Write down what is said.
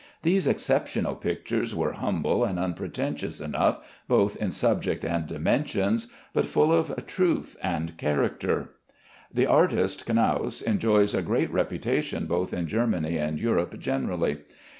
These exceptional pictures were humble and unpretentious enough both in subject and dimensions, but full of truth and character. The artist, Knaus, enjoys a great reputation both in Germany and Europe generally.